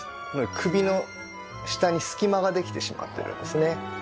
首の下に隙間ができてしまっているんですね。